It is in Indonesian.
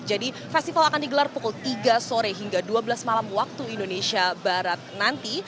jadi festival akan digelar pukul tiga sore hingga dua belas malam waktu indonesia barat nanti